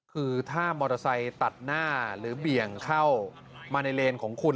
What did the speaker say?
คือถ้ามอเตอร์ไซค์ตัดหน้าหรือเบี่ยงเข้ามาในเลนของคุณ